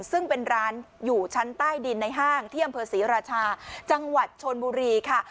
ซึ่งเป็นร้านอยู่ชั้นใต้ดินในห้างที่อำเภอศรีราชาจังหวัดชนบุรีค่ะ